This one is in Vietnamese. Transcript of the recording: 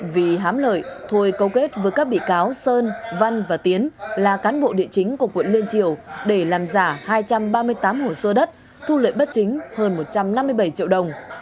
vì hám lợi thôi câu kết với các bị cáo sơn văn và tiến là cán bộ địa chính của quận liên triều để làm giả hai trăm ba mươi tám hồ sơ đất thu lợi bất chính hơn một trăm năm mươi bảy triệu đồng